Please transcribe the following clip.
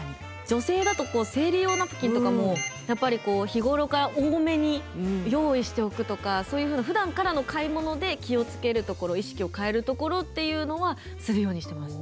女性だと生理用ナプキンとかもやっぱりこう日頃から多めに用意しておくとかそういうふうなふだんからの買い物で気を付けるところ意識を変えるところっていうのはするようにしてます。